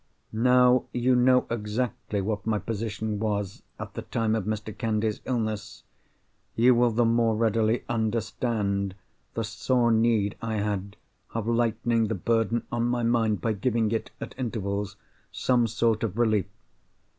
Now you know exactly what my position was, at the time of Mr. Candy's illness, you will the more readily understand the sore need I had of lightening the burden on my mind by giving it, at intervals, some sort of relief.